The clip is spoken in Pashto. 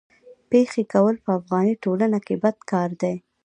پېښې کول په افغاني ټولنه کي بد کار دی.